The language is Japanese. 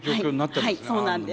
はいそうなんです。